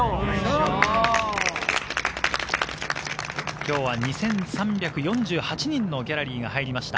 今日は２３４８人のギャラリーが入りました。